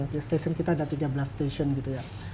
di station kita ada tiga belas station gitu ya